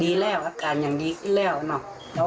ดีแล้วอาการยังดีขึ้นแล้วเนาะ